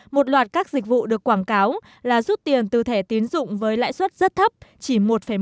một loạt các dịch vụ được quảng cáo là rút tiền từ thẻ tiến dụng với lãi suất rất thấp chỉ một một